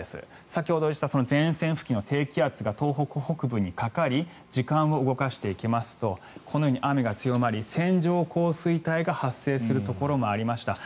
先ほど言っていた前線付近の低気圧が東北北部にかかり時間を動かしていきますとこのように雨が強まり線状降水帯が発生するところもありました。